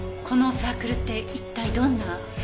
このサークルって一体どんな？